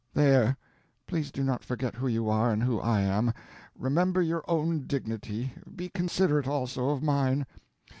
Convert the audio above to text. "There—please do not forget who you are, and who I am; remember your own dignity, be considerate also of mine.